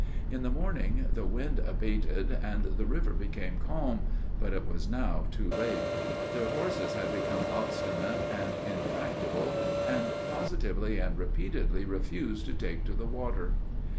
In the morning, the wind abated, and the river became calm; but, it was now too late. Their horses had become obstinate and intractible, and positively and repeatedly refused to take to the water.